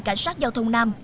cảnh sát giao thông nam